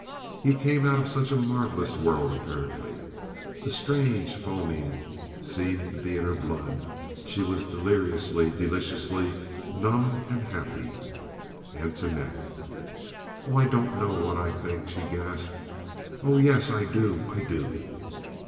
He came out of such a marvelous world, apparently. A strange foaming seemed to be in her blood. She was deliriously, deliciously numb and happy. "Antoinette!" "Oh, I don't know what I think," she gasped. "I— Oh yes, I do, I do."